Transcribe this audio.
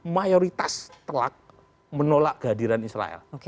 mayoritas telak menolak kehadiran israel